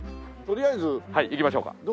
とりあえず。はい行きましょうか。